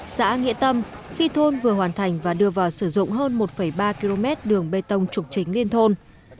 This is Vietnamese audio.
xã nghệ tâm phi thôn vừa hoàn thành và đưa vào sử dụng hơn một ba km đường bê tông trục chính lên thôn